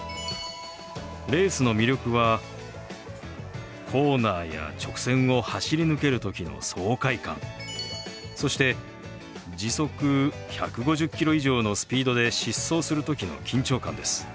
レースの魅力はコーナーや直線を走り抜ける時の爽快感そして時速１５０キロ以上のスピードで疾走する時の緊張感です。